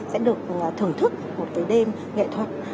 sẽ được thưởng thức một cái đêm nghệ thuật